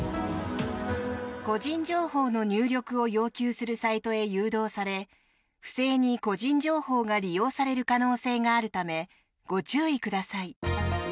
個人情報の入力を要求するサイトへ誘導され不正に個人情報が利用される可能性があるためご注意ください。